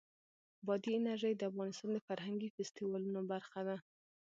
بادي انرژي د افغانستان د فرهنګي فستیوالونو برخه ده.